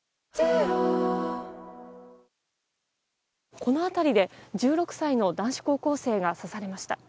この辺りで、１６歳の男子高校生が刺されました。